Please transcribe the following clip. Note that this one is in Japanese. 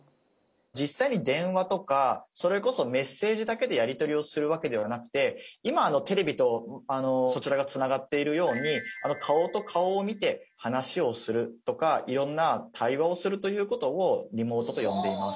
実際に電話とかそれこそメッセージだけでやり取りをするわけではなくて今テレビとそちらがつながっているように顔と顔を見て話をするとかいろんな対話をするということをリモートと呼んでいます。